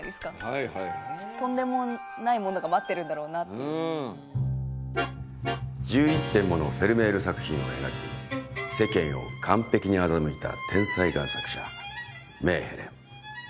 はいはいとんでもないものが待ってるんだろうなっていう１１点ものフェルメール作品を描き世間を完璧に欺いた天才贋作者メーヘレン